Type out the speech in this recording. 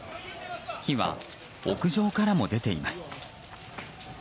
火は屋上からも出ています。